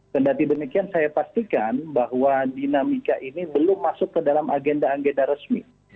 dan dari demikian saya pastikan bahwa dinamika ini belum masuk ke dalam agenda agenda resmi